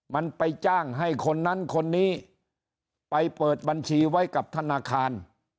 มันไปจ้างให้คนนั้นคนนี้ไปเปิดบัญชีไว้กับธนาคาร